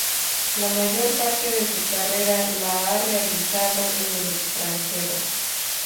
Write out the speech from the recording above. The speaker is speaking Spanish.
La mayor parte de su carrera la ha realizado en el extranjero.